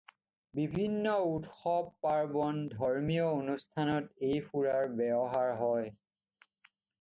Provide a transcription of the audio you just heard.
বিভিন্ন উৎসৱ পাৰ্বণ, ধৰ্মীয় অনুষ্ঠানত এই সুৰাৰ ব্যৱহাৰ হয়।